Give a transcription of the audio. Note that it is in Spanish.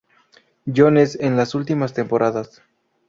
Jones en las últimas temporadas.